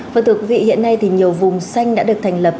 phần thực vị hiện nay thì nhiều vùng xanh đã được thành lập